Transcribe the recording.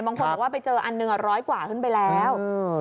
มองคนเคยจะจะไปเจออันหนึ่ง๑๐๐กว่าขึ้นไปแล้ว